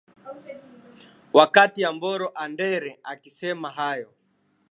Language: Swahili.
wakati amboka andere akisema hayo